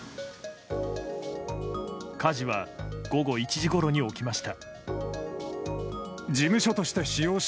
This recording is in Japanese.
火事は午後１時ごろに起きました。